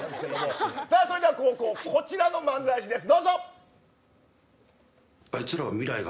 それでは後攻こちらの漫才師です